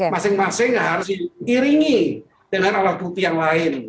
masing masing harus diiringi dengan alat bukti yang lain